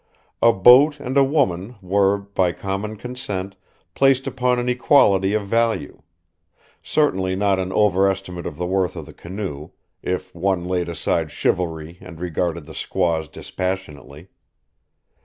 A boat and a woman were, by common consent, placed upon an equality of value, certainly not an overestimate of the worth of the canoe, if one laid aside chivalry and regarded the squaws dispassionately.